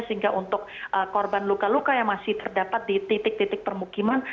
sehingga untuk korban luka luka yang masih terdapat di titik titik permukiman